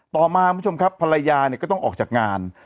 ต่อมาคุณผู้ชมครับภรรยาเนี่ยก็ต้องออกจากงาน